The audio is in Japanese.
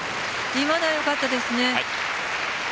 今のはよかったですね。